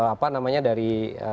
apa namanya dari